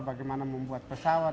bagaimana membuat pesawat